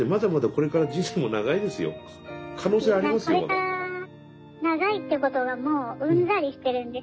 これから長いということがもううんざりしてるんですよ。